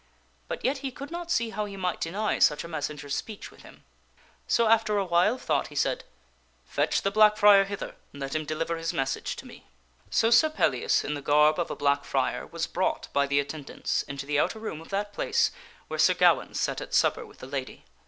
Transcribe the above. But yet he could not see how he might deny such a messenger speech with him. So, after a while of thought, he said, " Fetch the black friar hither and let him deliver his message to me." So Sir Pellias, in the garb of a black friar, was brought by the attendants into the outer room of that place where Sir Gawaine sat at supper with the lady.